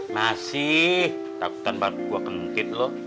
masih tapi kan baru gue kemungkinan lo